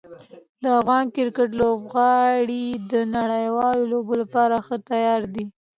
د افغان کرکټ لوبغاړي د نړیوالو لوبو لپاره ښه تیار دي.